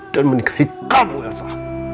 dan menikahi kamu elsa